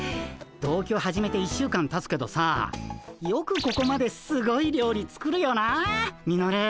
同居始めて１週間たつけどさよくここまですごい料理作るよなあミノル。